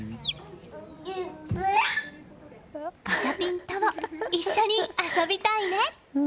ガチャピンとも一緒に遊びたいね。